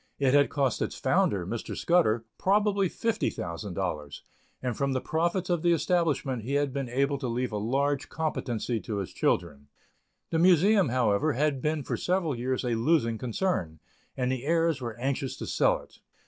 It had cost its founder, Mr. Scudder, probably fifty thousand dollars, and from the profits of the establishment he had been able to leave a large competency to his children. The Museum, however, had been for several years a losing concern, and the heirs were anxious to sell it.